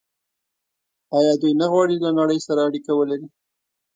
آیا دوی نه غواړي له نړۍ سره اړیکه ولري؟